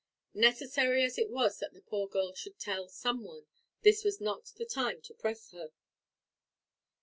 Necessary as it was that the poor girl should tell some one, this was not the time to press her.